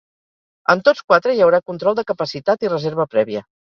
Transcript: En tots quatre hi haurà control de capacitat i reserva prèvia.